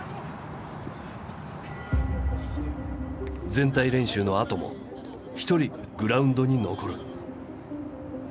全体練習のあとも一人グラウンドに残る。